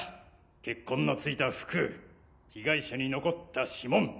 血痕の付いた服被害者に残った指紋